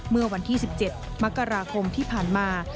เมื่อวันที่๑๗มกราคมที่ผ่านมา